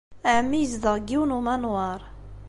Ɛemmi yezdeɣ deg yiwen n umanwaṛ.